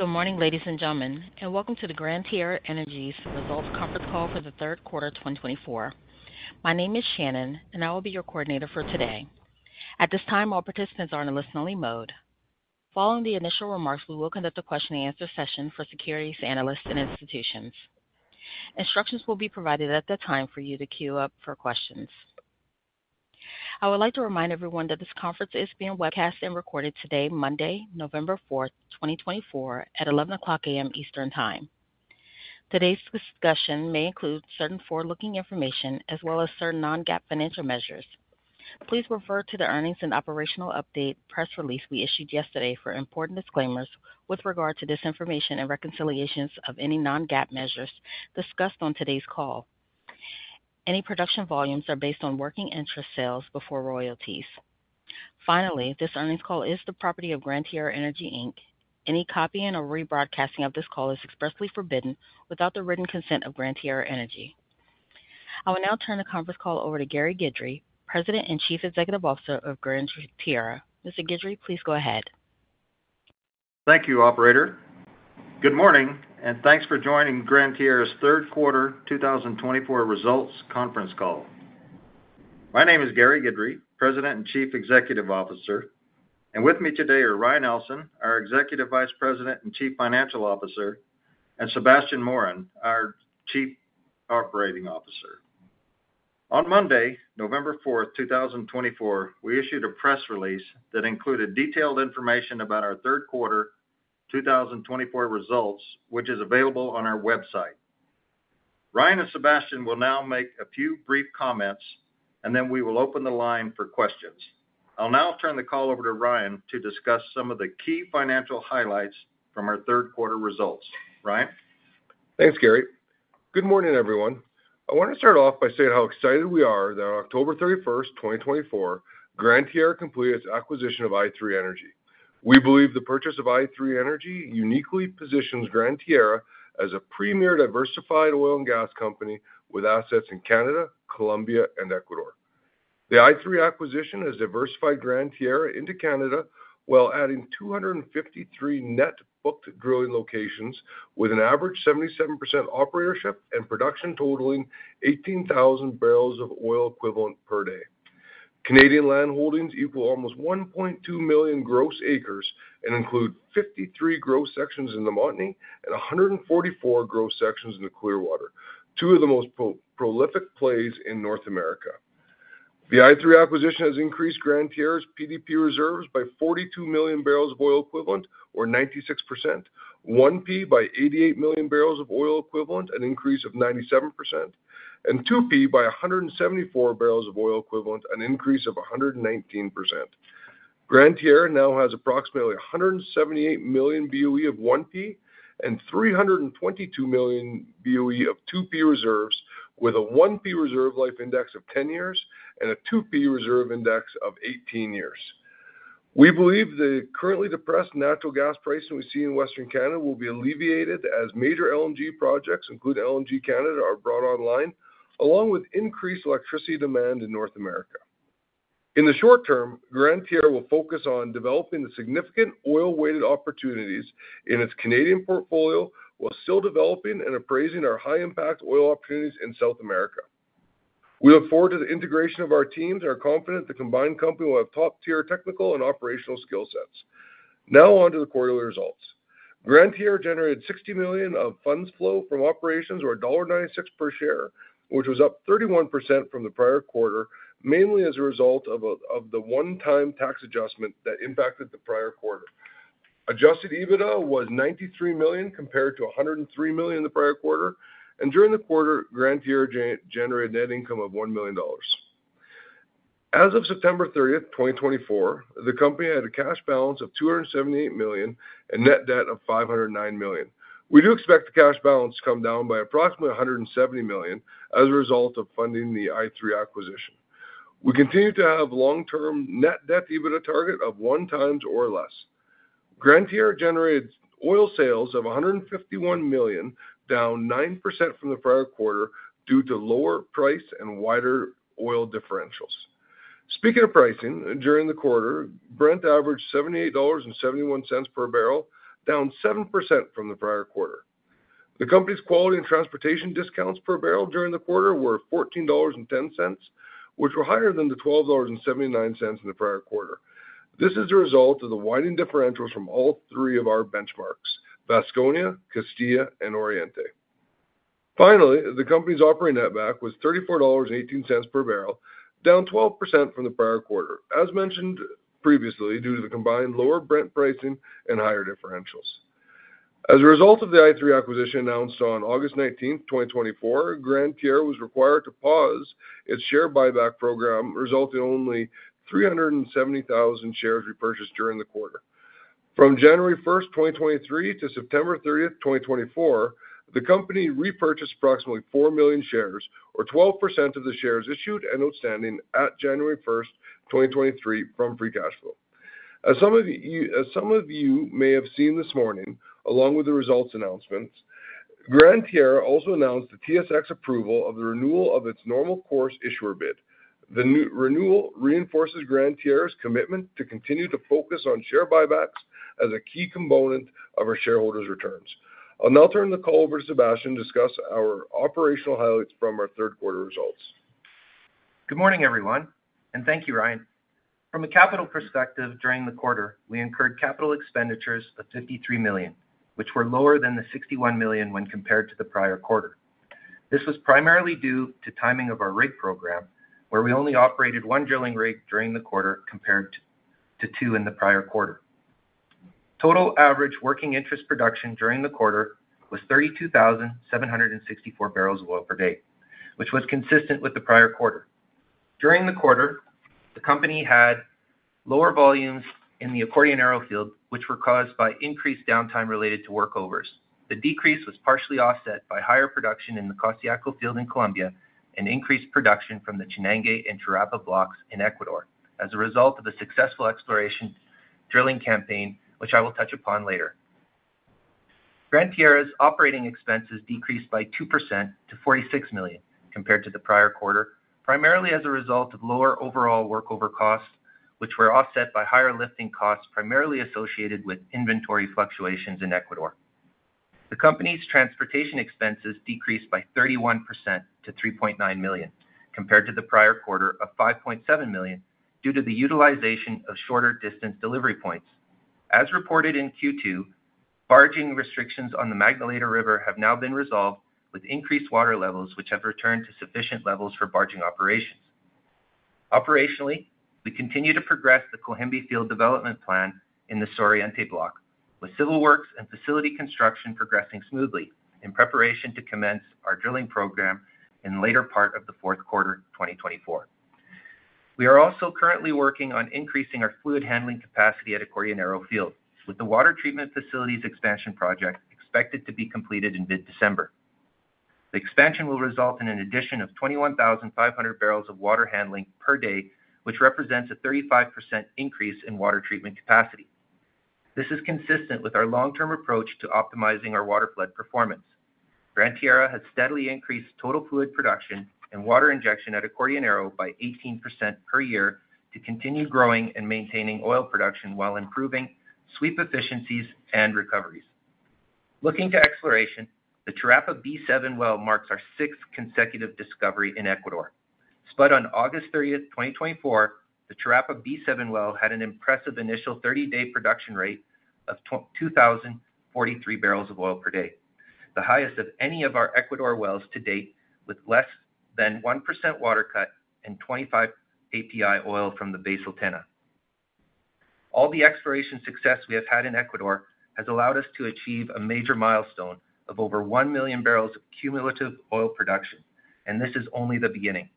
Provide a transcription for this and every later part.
Good morning, ladies and gentlemen, and welcome to the Gran Tierra Energy Results Conference Call for the third quarter of 2024. My name is Shannon, and I will be your coordinator for today. At this time, all participants are in a listen-only mode. Following the initial remarks, we will conduct a question-and-answer session for security analysts and institutions. Instructions will be provided at that time for you to queue up for questions. I would like to remind everyone that this conference is being webcast and recorded today, Monday, November 4th, 2024, at 11:00 A.M. Eastern Time. Today's discussion may include certain forward-looking information as well as certain non-GAAP financial measures. Please refer to the earnings and operational update press release we issued yesterday for important disclaimers with regard to forward-looking information and reconciliations of any non-GAAP measures discussed on today's call. Any production volumes are based on working interest sales before royalties. Finally, this earnings call is the property of Gran Tierra Energy, Inc. Any copying or rebroadcasting of this call is expressly forbidden without the written consent of Gran Tierra Energy. I will now turn the conference call over to Gary Guidry, President and Chief Executive Officer of Gran Tierra. Mr. Guidry, please go ahead. Thank you, Operator. Good morning, and thanks for joining Gran Tierra's third quarter 2024 results conference call. My name is Gary Guidry, President and Chief Executive Officer, and with me today are Ryan Ellson, our Executive Vice President and Chief Financial Officer, and Sebastien Morin, our Chief Operating Officer. On Monday, November 4th, 2024, we issued a press release that included detailed information about our third quarter 2024 results, which is available on our website. Ryan and Sebastien will now make a few brief comments, and then we will open the line for questions. I'll now turn the call over to Ryan to discuss some of the key financial highlights from our third quarter results. Ryan? Thanks, Gary. Good morning, everyone. I want to start off by saying how excited we are that on October 31st, 2024, Gran Tierra completed its acquisition of i3 Energy. We believe the purchase of i3 Energy uniquely positions Gran Tierra as a premier diversified oil and gas company with assets in Canada, Colombia, and Ecuador. The i3 acquisition has diversified Gran Tierra into Canada while adding 253 net booked drilling locations, with an average 77% operatorship and production totaling 18,000 barrels of oil equivalent per day. Canadian land holdings equal almost 1.2 million gross acres and include 53 gross sections in the Montney and 144 gross sections in the Clearwater, two of the most prolific plays in North America. The i3 acquisition has increased Gran Tierra's PDP reserves by 42 million barrels of oil equivalent, or 96%, 1P by 88 million barrels of oil equivalent, an increase of 97%, and 2P by 174 barrels of oil equivalent, an increase of 119%. Gran Tierra now has approximately 178 million BOE of 1P and 322 million BOE of 2P reserves, with a 1P reserve life index of 10 years and a 2P reserve index of 18 years. We believe the currently depressed natural gas price that we see in Western Canada will be alleviated as major LNG projects, including LNG Canada, are brought online, along with increased electricity demand in North America. In the short term, Gran Tierra will focus on developing the significant oil-weighted opportunities in its Canadian portfolio while still developing and appraising our high-impact oil opportunities in South America. We look forward to the integration of our teams and are confident the combined company will have top-tier technical and operational skill sets. Now on to the quarterly results. Gran Tierra generated $60 million of Funds Flow from Operations or $1.96 per share, which was up 31% from the prior quarter, mainly as a result of the one-time tax adjustment that impacted the prior quarter. Adjusted EBITDA was $93 million compared to $103 million in the prior quarter, and during the quarter, Gran Tierra generated net income of $1 million. As of September 30th, 2024, the company had a cash balance of $278 million and net debt of $509 million. We do expect the cash balance to come down by approximately $170 million as a result of funding the i3 acquisition. We continue to have a long-term net debt EBITDA target of one times or less. Gran Tierra generated oil sales of $151 million, down 9% from the prior quarter due to lower price and wider oil differentials. Speaking of pricing, during the quarter, Brent averaged $78.71 per barrel, down 7% from the prior quarter. The company's quality and transportation discounts per barrel during the quarter were $14.10, which were higher than the $12.79 in the prior quarter. This is a result of the widening differentials from all three of our benchmarks, Vasconia, Castilla, and Oriente. Finally, the company's operating netback was $34.18 per barrel, down 12% from the prior quarter, as mentioned previously due to the combined lower Brent pricing and higher differentials. As a result of the i3 acquisition announced on August 19th, 2024, Gran Tierra was required to pause its share buyback program, resulting in only 370,000 shares repurchased during the quarter. From January 1st, 2023, to September 30th, 2024, the company repurchased approximately four million shares, or 12% of the shares issued and outstanding at January 1st, 2023, from free cash flow. As some of you may have seen this morning, along with the results announcements, Gran Tierra also announced the TSX approval of the renewal of its Normal Course Issuer Bid. The renewal reinforces Gran Tierra's commitment to continue to focus on share buybacks as a key component of our shareholders' returns. I'll now turn the call over to Sebastien to discuss our operational highlights from our third quarter results. Good morning, everyone, and thank you, Ryan. From a capital perspective, during the quarter, we incurred capital expenditures of $53 million, which were lower than the $61 million when compared to the prior quarter. This was primarily due to timing of our rig program, where we only operated one drilling rig during the quarter compared to two in the prior quarter. Total average working interest production during the quarter was 32,764 barrels of oil per day, which was consistent with the prior quarter. During the quarter, the company had lower volumes in the Acordionero field, which were caused by increased downtime related to workovers. The decrease was partially offset by higher production in the Costayaco field in Colombia and increased production from the Chenangue and Charapa blocks in Ecuador as a result of a successful exploration drilling campaign, which I will touch upon later. Gran Tierra's operating expenses decreased by 2% to $46 million compared to the prior quarter, primarily as a result of lower overall workover costs, which were offset by higher lifting costs primarily associated with inventory fluctuations in Ecuador. The company's transportation expenses decreased by 31% to $3.9 million compared to the prior quarter of $5.7 million due to the utilization of shorter distance delivery points. As reported in Q2, barging restrictions on the Magdalena River have now been resolved with increased water levels, which have returned to sufficient levels for barging operations. Operationally, we continue to progress the Cohembi Field Development Plan in the Suroriente block, with civil works and facility construction progressing smoothly in preparation to commence our drilling program in the later part of the fourth quarter 2024. We are also currently working on increasing our fluid handling capacity at Acordionero Field, with the water treatment facility's expansion project expected to be completed in mid-December. The expansion will result in an addition of 21,500 barrels of water handling per day, which represents a 35% increase in water treatment capacity. This is consistent with our long-term approach to optimizing our waterflood performance. Gran Tierra has steadily increased total fluid production and water injection at Acordionero by 18% per year to continue growing and maintaining oil production while improving sweep efficiencies and recoveries. Looking to exploration, the Charapa B7 well marks our sixth consecutive discovery in Ecuador. Spud on August 30th, 2024, the Charapa B7 well had an impressive initial 30-day production rate of 2,043 barrels of oil per day, the highest of any of our Ecuador wells to date, with less than 1% water cut and 25 API oil from the Basal Tena. All the exploration success we have had in Ecuador has allowed us to achieve a major milestone of over 1 million barrels of cumulative oil production, and this is only the beginning.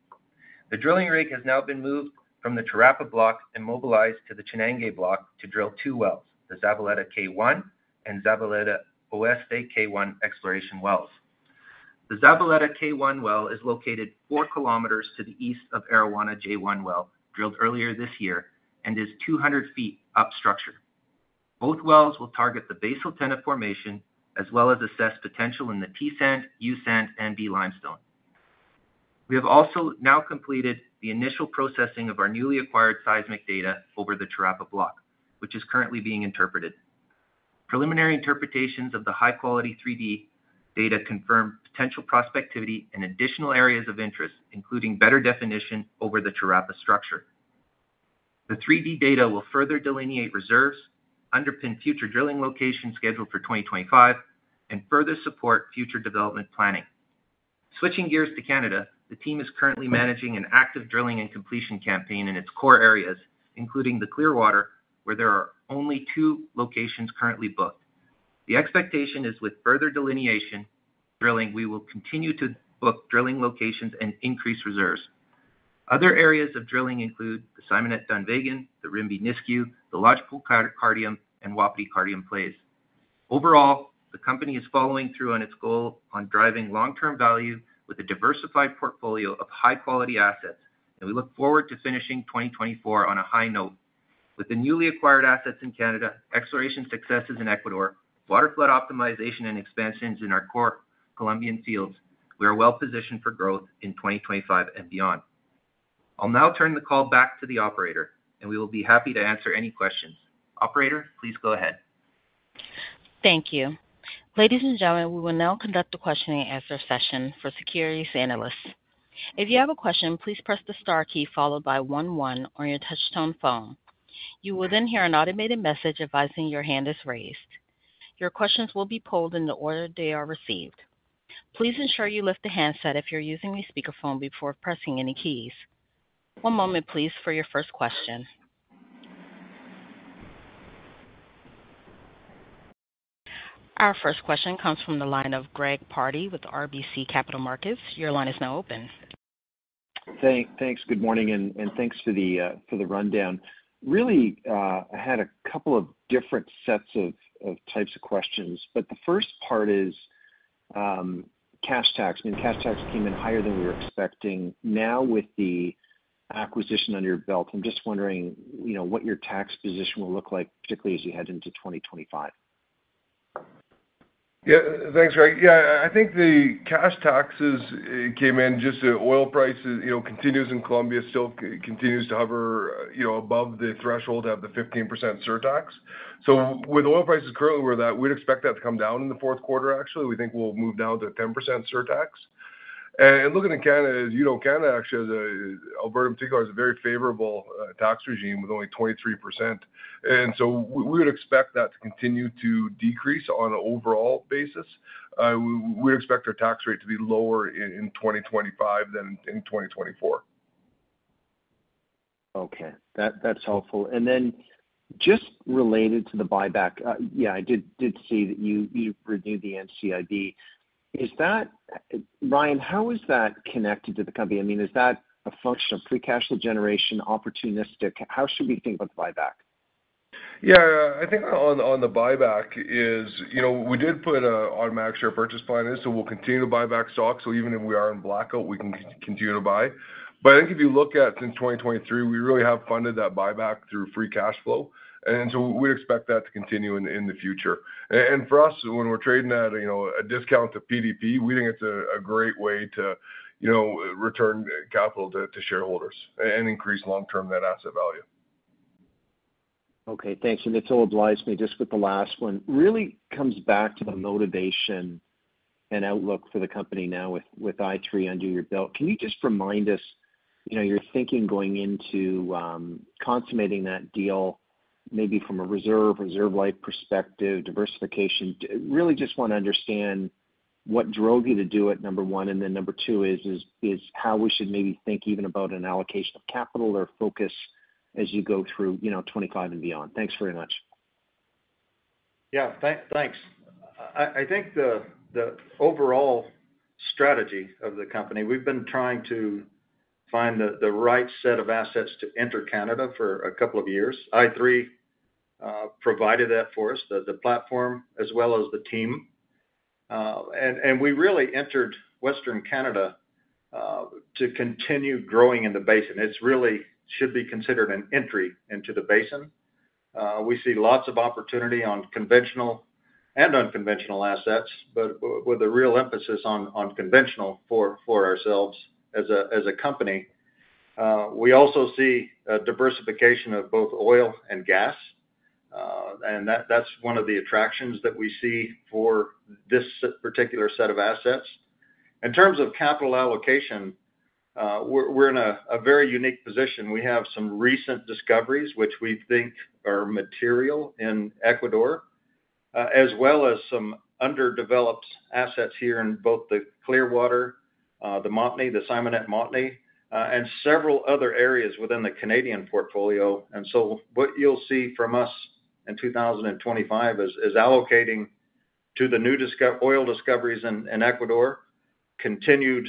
The drilling rig has now been moved from the Charapa block and mobilized to the Chenangue block to drill two wells, the Zabaleta K1 and Zabaleta Oeste K1 exploration wells. The Zabaleta K1 well is located 4 km to the east of Arawana J1 well drilled earlier this year and is 200 ft up structure. Both wells will target the Basal Tena formation as well as assess potential in the T-Sand, U-Sand, and B-Limestone. We have also now completed the initial processing of our newly acquired seismic data over the Charapa block, which is currently being interpreted. Preliminary interpretations of the high-quality 3D data confirm potential prospectivity and additional areas of interest, including better definition over the Charapa structure. The 3D data will further delineate reserves, underpin future drilling locations scheduled for 2025, and further support future development planning. Switching gears to Canada, the team is currently managing an active drilling and completion campaign in its core areas, including the Clearwater, where there are only two locations currently booked. The expectation is with further delineation drilling, we will continue to book drilling locations and increase reserves. Other areas of drilling include the Simonette Dunvegan, the Rimbey Nisku, the Lodgepole Cardium, and Wapiti Cardium plays. Overall, the company is following through on its goal on driving long-term value with a diversified portfolio of high-quality assets, and we look forward to finishing 2024 on a high note. With the newly acquired assets in Canada, exploration successes in Ecuador, waterflood optimization, and expansions in our core Colombian fields, we are well positioned for growth in 2025 and beyond. I'll now turn the call back to the operator, and we will be happy to answer any questions. Operator, please go ahead. Thank you. Ladies and gentlemen, we will now conduct a question and answer session for security analysts. If you have a question, please press the star key followed by 11 on your touch-tone phone. You will then hear an automated message advising your hand is raised. Your questions will be polled in the order they are received. Please ensure you lift the handset if you're using a speakerphone before pressing any keys. One moment, please, for your first question. Our first question comes from the line of Greg Pardy with RBC Capital Markets. Your line is now open. Thanks. Good morning, and thanks for the rundown. Really, I had a couple of different sets of types of questions, but the first part is cash tax. I mean, cash tax came in higher than we were expecting. Now, with the acquisition under your belt, I'm just wondering what your tax position will look like, particularly as you head into 2025. Yeah, thanks, Greg. Yeah, I think the cash taxes came in just as the oil prices continue in Colombia still continue to hover above the threshold of the 15% surtax. So with oil prices currently where that, we'd expect that to come down in the fourth quarter. Actually, we think we'll move down to 10% surtax. And looking at Canada, you know, Canada actually has. Alberta in particular has a very favorable tax regime with only 23%. And so we would expect that to continue to decrease on an overall basis. We would expect our tax rate to be lower in 2025 than in 2024. Okay, that's helpful. And then just related to the buyback, yeah, I did see that you reviewed the NCIB. Is that, Ryan, how is that connected to the company? I mean, is that a function of free cash flow generation opportunistic? How should we think about the buyback? Yeah, I think on the buyback, we did put an automatic share purchase plan in, so we'll continue to buy back stocks. So even if we are in blackout, we can continue to buy. But I think if you look at since 2023, we really have funded that buyback through free cash flow. And so we'd expect that to continue in the future. For us, when we're trading at a discount to PDP, we think it's a great way to return capital to shareholders and increase long-term net asset value. Okay, thanks. And this all obliges me just with the last one. Really comes back to the motivation and outlook for the company now with i3 under your belt. Can you just remind us your thinking going into consummating that deal, maybe from a reserves, reserve life perspective, diversification? Really just want to understand what drove you to do it, number one. And then number two is how we should maybe think even about an allocation of capital or focus as you go through 25 and beyond. Thanks very much. Yeah, thanks. I think the overall strategy of the company. We've been trying to find the right set of assets to enter Canada for a couple of years. i3 provided that for us, the platform as well as the team. And we really entered Western Canada to continue growing in the basin. It really should be considered an entry into the basin. We see lots of opportunity on conventional and unconventional assets, but with a real emphasis on conventional for ourselves as a company. We also see a diversification of both oil and gas. And that's one of the attractions that we see for this particular set of assets. In terms of capital allocation, we're in a very unique position. We have some recent discoveries, which we think are material in Ecuador, as well as some underdeveloped assets here in both the Clearwater, the Montney, the Simonette Montney, and several other areas within the Canadian portfolio, and so what you'll see from us in 2025 is allocating to the new oil discoveries in Ecuador, continued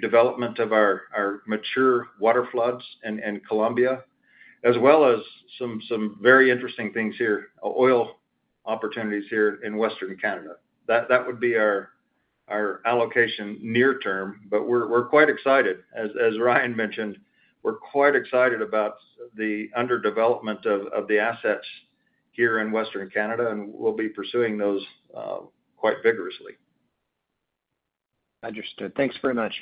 development of our mature water floods in Colombia, as well as some very interesting things here, oil opportunities here in Western Canada. That would be our allocation near term, but we're quite excited. As Ryan mentioned, we're quite excited about the underdevelopment of the assets here in Western Canada, and we'll be pursuing those quite vigorously. Understood. Thanks very much.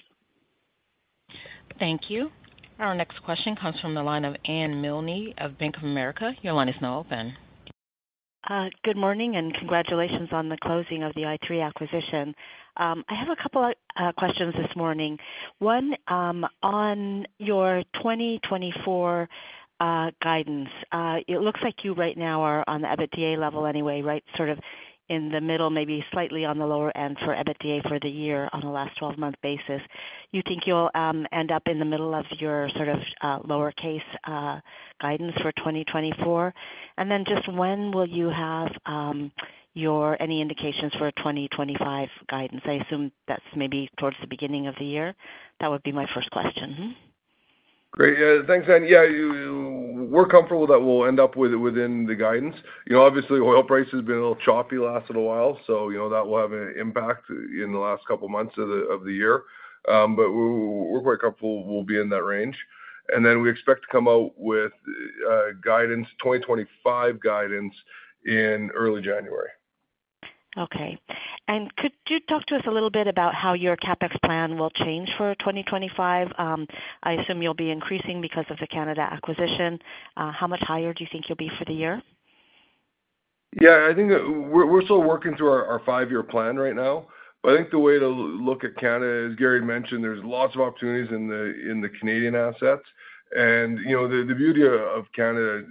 Thank you. Our next question comes from the line of Anne Milne of Bank of America. Your line is now open. Good morning and congratulations on the closing of the i3 acquisition. I have a couple of questions this morning. One, on your 2024 guidance, it looks like you right now are on the EBITDA level anyway, right? Sort of in the middle, maybe slightly on the lower end for EBITDA for the year on a last 12-month basis. You think you'll end up in the middle of your sort of lower-case guidance for 2024? And then just when will you have any indications for a 2025 guidance? I assume that's maybe towards the beginning of the year. That would be my first question. Great. Thanks, Anne. Yeah, we're comfortable that we'll end up with it within the guidance. Obviously, oil prices have been a little choppy the last little while, so that will have an impact in the last couple of months of the year. But we're quite comfortable we'll be in that range. And then we expect to come out with 2025 guidance in early January. Okay. And could you talk to us a little bit about how your CapEx plan will change for 2025? I assume you'll be increasing because of the Canada acquisition. How much higher do you think you'll be for the year? Yeah, I think we're still working through our five-year plan right now. But I think the way to look at Canada is, Gary mentioned, there's lots of opportunities in the Canadian assets. And the beauty of Canada,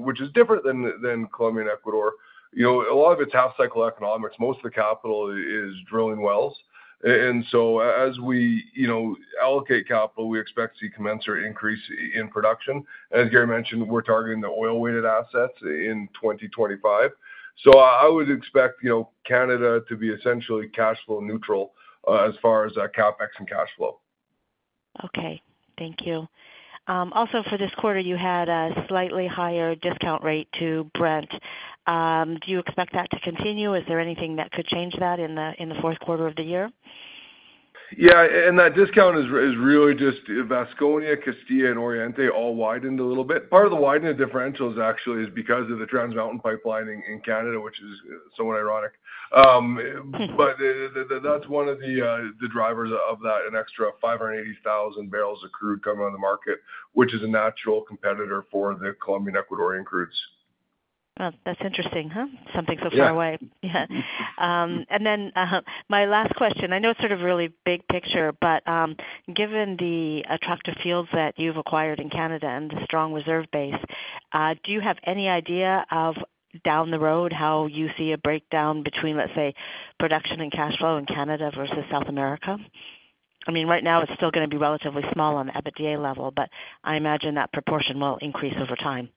which is different than Colombia and Ecuador, a lot of it's half-cycle economics. Most of the capital is drilling wells. And so as we allocate capital, we expect to see commensurate increase in production. As Gary mentioned, we're targeting the oil-weighted assets in 2025. So I would expect Canada to be essentially cash flow neutral as far as CapEx and cash flow. Okay. Thank you. Also, for this quarter, you had a slightly higher discount rate to Brent. Do you expect that to continue? Is there anything that could change that in the fourth quarter of the year? Yeah, and that discount is really just Vasconia, Castilla, and Oriente all widened a little bit. Part of the widening of differentials actually is because of the Trans Mountain Pipeline in Canada, which is somewhat ironic, but that's one of the drivers of that, an extra 580,000 barrels of crude coming on the market, which is a natural competitor for the Colombian Ecuadorian crudes. That's interesting, huh? Something so far away. Yeah, and then my last question, I know it's sort of really big picture, but given the attractive fields that you've acquired in Canada and the strong reserve base, do you have any idea of down the road how you see a breakdown between, let's say, production and cash flow in Canada versus South America? I mean, right now it's still going to be relatively small on the EBITDA level, but I imagine that proportion will increase over time.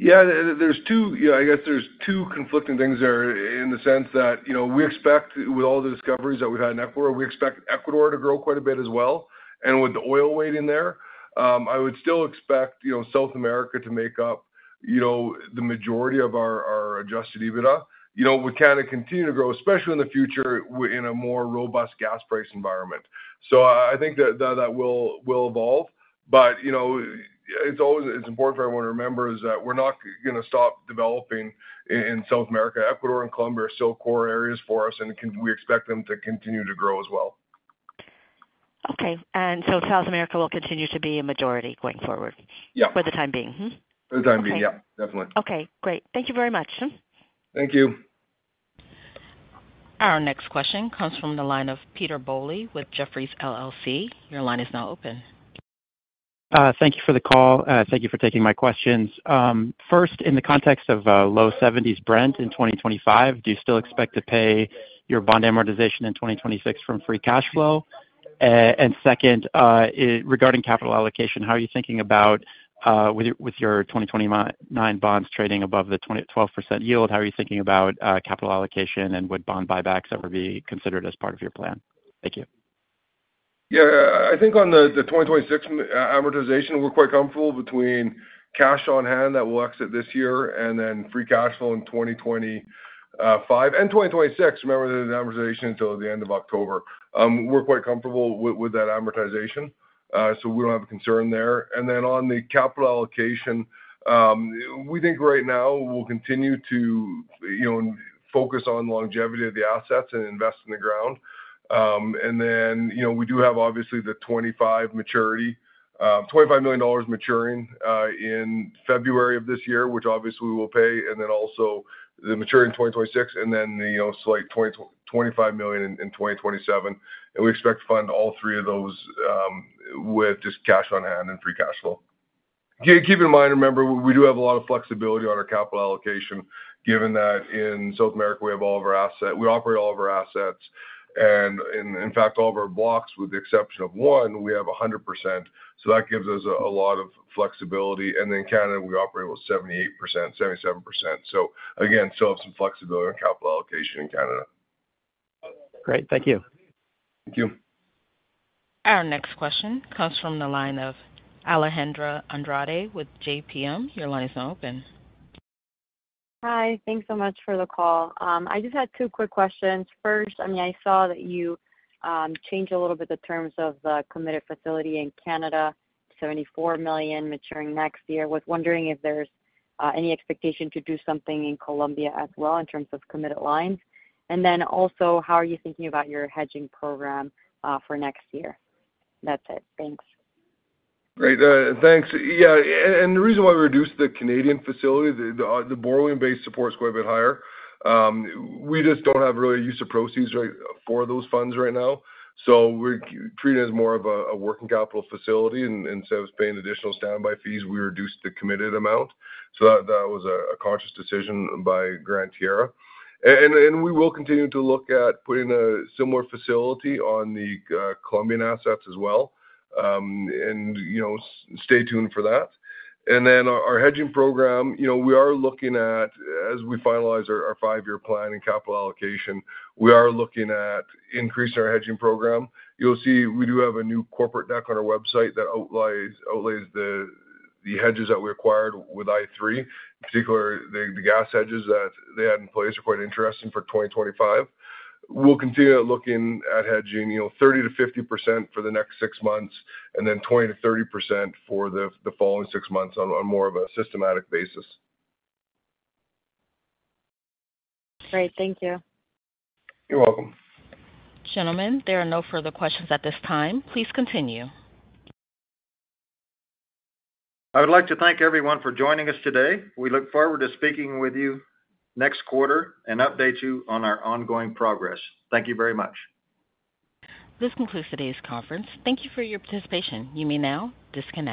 Yeah. I guess there's two conflicting things there in the sense that we expect, with all the discoveries that we've had in Ecuador, we expect Ecuador to grow quite a bit as well. And with the oil weighting in there, I would still expect South America to make up the majority of our Adjusted EBITDA. We kind of continue to grow, especially in the future in a more robust gas price environment. So I think that will evolve. But it's important for everyone to remember is that we're not going to stop developing in South America. Ecuador and Colombia are still core areas for us, and we expect them to continue to grow as well. Okay. And so South America will continue to be a majority going forward for the time being? Yeah. For the time being, yeah. Definitely. Okay. Great. Thank you very much. Thank you. Our next question comes from the line of Peter Bowley with Jefferies LLC. Your line is now open. Thank you for the call. Thank you for taking my questions. First, in the context of low 70s Brent in 2025, do you still expect to pay your bond amortization in 2026 from free cash flow, and second, regarding capital allocation, how are you thinking about with your 2029 bonds trading above the 12% yield, how are you thinking about capital allocation, and would bond buybacks ever be considered as part of your plan? Thank you. Yeah. I think on the 2026 amortization, we're quite comfortable between cash on hand that will exit this year and then free cash flow in 2025 and 2026. Remember, the amortization is until the end of October. We're quite comfortable with that amortization, so we don't have a concern there. And then on the capital allocation, we think right now we'll continue to focus on longevity of the assets and invest in the ground. And then we do have, obviously, the $25 million maturing in February of this year, which obviously we will pay, and then also the maturing in 2026, and then the slight $25 million in 2027. And we expect to fund all three of those with just cash on hand and free cash flow. Keep in mind, remember, we do have a lot of flexibility on our capital allocation, given that in South America, we have all of our assets. We operate all of our assets. And in fact, all of our blocks, with the exception of one, we have 100%. So that gives us a lot of flexibility. And then Canada, we operate with 78%, 77%. So again, still have some flexibility on capital allocation in Canada. Great. Thank you. Thank you. Our next question comes from the line of Alejandra Andrade with JPM. Your line is now open. Hi. Thanks so much for the call. I just had two quick questions. First, I mean, I saw that you changed a little bit the terms of the committed facility in Canada, $74 million maturing next year. I was wondering if there's any expectation to do something in Colombia as well in terms of committed lines. And then also, how are you thinking about your hedging program for next year? That's it. Thanks. Great. Thanks. Yeah. And the reason why we reduced the Canadian facility, the borrowing-based support is quite a bit higher. We just don't have really a use of proceeds for those funds right now. So we're treating it as more of a working capital facility. Instead of paying additional standby fees, we reduced the committed amount. So that was a conscious decision by Gran Tierra. And we will continue to look at putting a similar facility on the Colombian assets as well. And stay tuned for that. And then our hedging program, we are looking at, as we finalize our five-year plan and capital allocation, we are looking at increasing our hedging program. You'll see we do have a new corporate deck on our website that outlines the hedges that we acquired with i3. In particular, the gas hedges that they had in place are quite interesting for 2025. We'll continue looking at hedging 30%-50% for the next six months and then 20%-30% for the following six months on more of a systematic basis. Great. Thank you. You're welcome. Gentlemen, there are no further questions at this time. Please continue. I would like to thank everyone for joining us today. We look forward to speaking with you next quarter and update you on our ongoing progress. Thank you very much. This concludes today's conference. Thank you for your participation. You may now disconnect.